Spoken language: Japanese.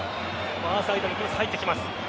ファーサイドにクロス入ってきます。